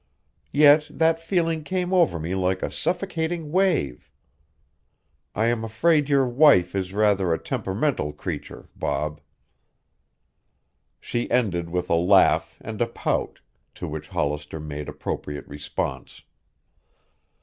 Yet that feeling came over me like a suffocating wave. I am afraid your wife is rather a temperamental creature, Bob." She ended with a laugh and a pout, to which Hollister made appropriate response.